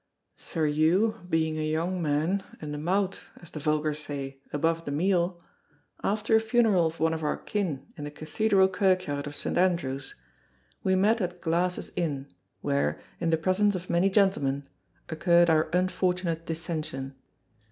Sir Hew, being a young man, and the maut, as the vulgar say, above the meal, after a funeral of one of our kin in the Cathedral Kirkyard of St. Andrews, we met at Glass's Inn, where, in the presence of many gentlemen, occurred our unfortunate dissension.